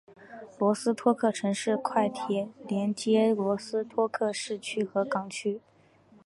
罗斯托克城市快铁连接罗斯托克市区和港区。